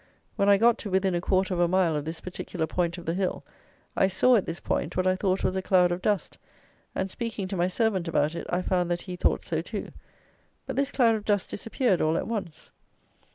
When I got to within a quarter of a mile of this particular point of the hill, I saw, at this point, what I thought was a cloud of dust; and, speaking to my servant about it, I found that he thought so too; but this cloud of dust disappeared all at once.